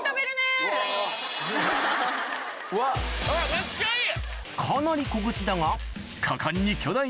めっちゃいい。